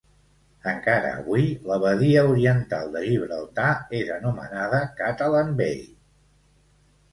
Encara avui la badia oriental de Gibraltar és anomenada ‘Catalan Bay’.